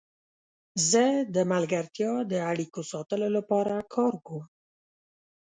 زه د ملګرتیا د اړیکو ساتلو لپاره کار کوم.